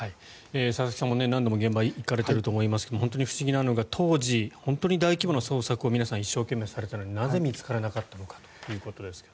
佐々木さんも何度も現場に行かれていると思いますが本当に不思議なのが当時、本当に大規模な捜索を皆さん一生懸命されたのになぜ見つからなかったのかということですが。